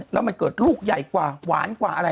แล้วมันเกิดลูกใหญ่กว่าหวานกว่าอะไร